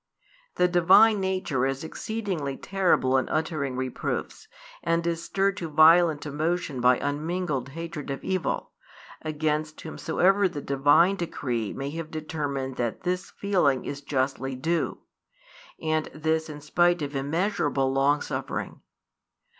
The Divine nature is exceedingly terrible in uttering reproofs, and is stirred to violent emotion by unmingled hatred of evil, against whomsoever the Divine decree may have determined that this feeling is justly due; and this in spite of |194 immeasurable long suffering.